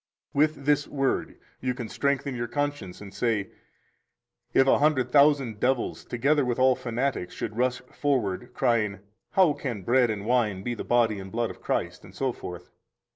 12 With this Word you can strengthen your conscience and say: If a hundred thousand devils, together with all fanatics, should rush forward, crying, How can bread and wine be the body and blood of Christ? etc.